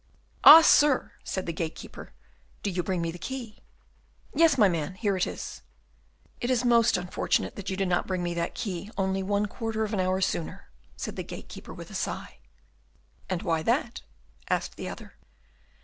"Ah! sir," said the gatekeeper, "do you bring me the key?" "Yes, my man, here it is." "It is most unfortunate that you did not bring me that key only one quarter of an hour sooner," said the gatekeeper, with a sigh. "And why that?" asked the other.